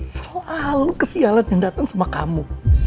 selalu kesialan yang datang sama kamu